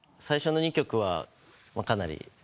最初の２曲はかなり。